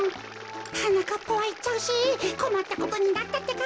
はなかっぱはいっちゃうしこまったことになったってか。